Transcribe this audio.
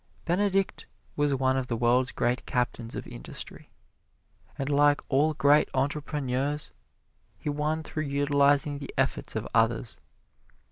Benedict was one of the world's great Captains of Industry. And like all great entrepreneurs, he won through utilizing the efforts of others.